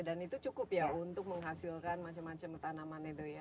oke dan itu cukup ya untuk menghasilkan macam macam tanaman edo ya